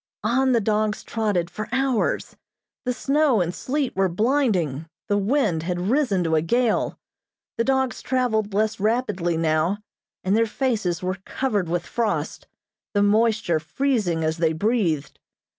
On the dogs trotted for hours. The snow and sleet were blinding, the wind had risen to a gale. The dogs traveled less rapidly now, and their faces were covered with frost, the moisture freezing as they breathed.